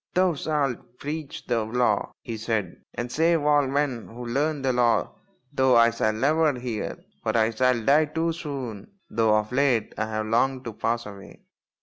" Thou shalt preach the Law," he said, " and save all men who learn the Law, though I shall never hear ; for I shall die too soon, though of late I have longed to pass away."